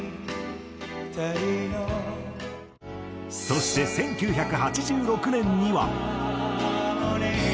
そして１９８６年には。